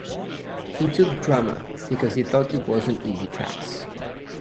He took drama because he thought it was an easy class.